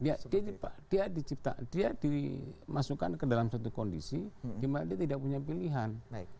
dia dicipta dia dimasukkan ke dalam satu kondisi di mana dia tidak punya pilihan